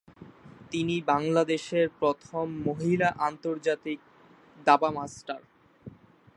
তিনি বাংলাদেশের প্রথম মহিলা আন্তর্জাতিক দাবা মাস্টার।